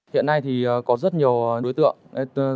hiện nay thì có rất nhiều đối tượng